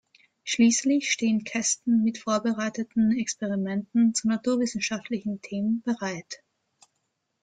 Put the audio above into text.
Schließlich stehen Kästen mit vorbereiteten Experimenten zu naturwissenschaftlichen Themen bereit.